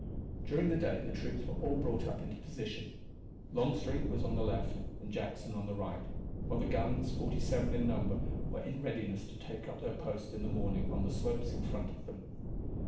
During the day the troops were all brought up into position. Longstreet was on the left and Jackson on the right, while the guns, forty seven in number, were in readiness to take up their post in the morning on the slopes in front of them.